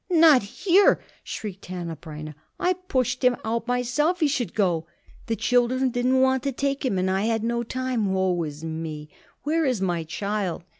"Not here?" shrieked Hanneh Breineh. "I pushed him out myself he should go. The children didn't want to take him, and I had no time. Woe is me! Where is my child?"